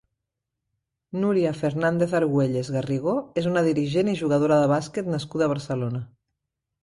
Núria Fernández-Argüelles Garrigó és una dirigent i jugadora de bàsquet nascuda a Barcelona.